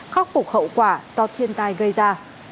khóc phục hậu quả do thiên tai gây ra